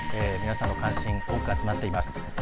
皆さんの関心多く集まっています。